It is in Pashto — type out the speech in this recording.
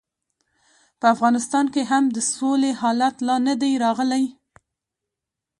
په افغانستان کې هم د سولې حالت لا نه دی راغلی.